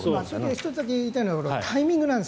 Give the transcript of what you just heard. １つだけ言いたいのはタイミングなんです。